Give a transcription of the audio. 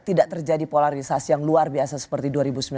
tidak terjadi polarisasi yang luar biasa seperti dua ribu sembilan belas